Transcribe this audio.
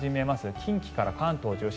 近畿から関東中心。